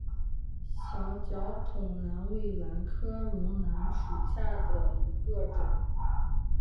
小脚筒兰为兰科绒兰属下的一个种。